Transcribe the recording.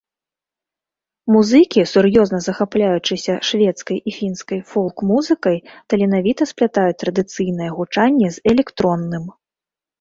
Музыкі, сур'ёзна захапляючыся шведскай і фінскай фолк-музыкай, таленавіта сплятаюць традыцыйнае гучанне з электронным.